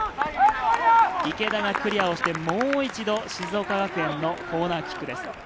池田がクリアをして、もう一度静岡学園のコーナーキックです。